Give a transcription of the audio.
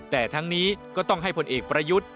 แต่ทั้งนี้ก็ต้องให้ผลเอกประยุทธ์